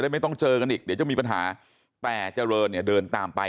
ไม่ต้องเจอกันอีกเดี๋ยวจะมีปัญหาแต่เจริญเนี่ยเดินตามไป